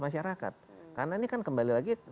masyarakat karena ini kan kembali lagi